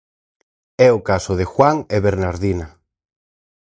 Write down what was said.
É o caso de Juan e Bernardina.